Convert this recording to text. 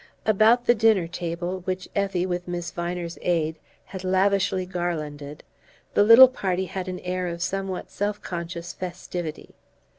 About the dinner table, which Effie, with Miss Viner's aid, had lavishly garlanded, the little party had an air of somewhat self conscious festivity.